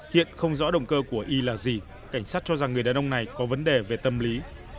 hiện không rõ động cơ của y là gì cảnh sát cho rằng người đàn ông này có vấn đề về tâm lý